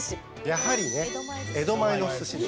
やはりね江戸前の寿司ですよね。